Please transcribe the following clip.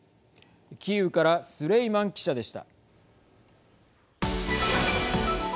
キーウからスレイマン記者でした。